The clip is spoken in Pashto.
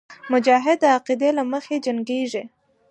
مجاهد د عقیدې له مخې جنګېږي.